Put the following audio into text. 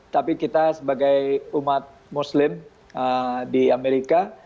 tapi kita sebagai umat muslim di amerika